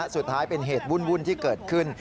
สุดท้ายเป็นเหตุวุ่นที่เกิดขึ้น